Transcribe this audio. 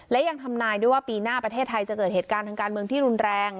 และยังทำนายด้วยว่าปีหน้าประเทศไทยจะเกิดเหตุการณ์ทางการเมืองที่รุนแรง